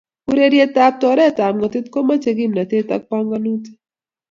Urerietab toreetab ng'otit komochei kimnateet ak pongonutik